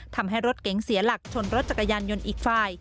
ทำให้รถเก๋งเสียหลักชนรถจักรยานยนต์อีกฝ่าย